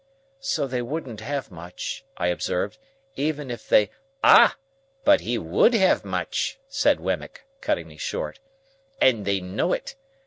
"So they wouldn't have much," I observed, "even if they—" "Ah! But he would have much," said Wemmick, cutting me short, "and they know it.